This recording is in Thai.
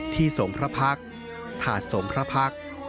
ที่สงพระพักษณ์ถาดสงพระพักษณ์